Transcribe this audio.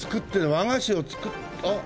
和菓子を作ってあっ。